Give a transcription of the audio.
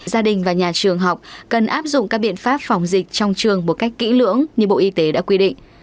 gia đình và nhà trường học cần áp dụng các biện pháp phòng dịch trong trường một cách kỹ lưỡng như bộ y tế đã quy định